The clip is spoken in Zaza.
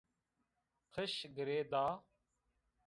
Qiş girê da